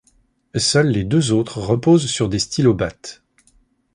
Seules les deux autres reposent sur des stylobates.